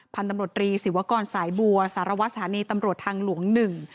พันธุ์ตำรวจรีศิวกรสายบัวสารวัตรสถานีตำรวจทางหลวงหนึ่ง